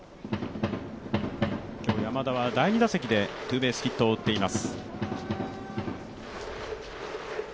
今日、山田は第２打席でツーベースヒットを打っています。